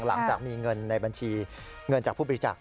หลังจากมีเงินจากผู้บริจักษ์